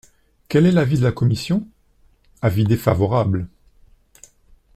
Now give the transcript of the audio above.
Quel est l’avis de la commission ? Avis défavorable.